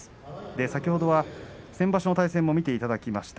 先ほどは先場所の対戦も見ていただきました。